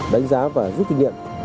đánh giá và giúp thí nghiệm